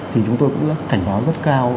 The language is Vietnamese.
thì chúng tôi cũng cảnh báo rất cao